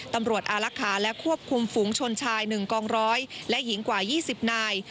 อารักษาและควบคุมฝูงชนชาย๑กองร้อยและหญิงกว่า๒๐นาย